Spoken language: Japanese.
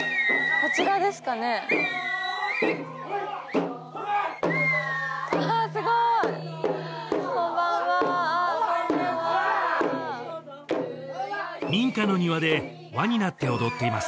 こんばんは民家の庭で輪になって踊っています